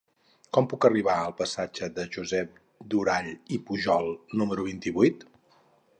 Com puc arribar al passatge de Josep Durall i Pujol número vint-i-vuit?